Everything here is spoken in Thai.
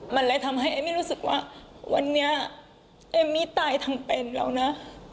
มันเลยทำให้เอมมี่รู้สึกว่าวันนี้เอมมี่ตายทั้งเป็นแล้วนะ